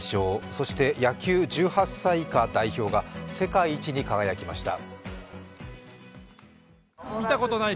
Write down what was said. そして野球１８歳以下代表が世界一に輝きました。